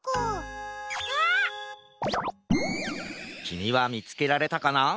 きみはみつけられたかな？